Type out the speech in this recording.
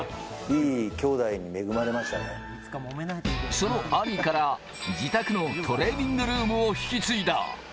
その兄から自宅のトレーニングルームを引き継いだ。